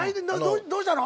どうしたの？